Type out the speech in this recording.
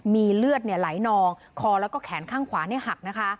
มีเลือดไหลนองคอแล้วก็แขนข้างขวาหักนะคะ